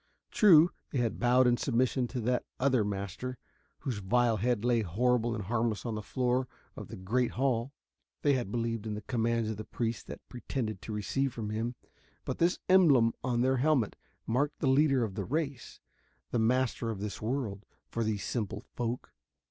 True, they had bowed in submission to that other master, whose vile head lay horrible and harmless on the floor of the great hall they had believed in the commands the priests had pretended to receive from him but this emblem on the helmet marked the leader of the race, the master of this world, for these simple folk.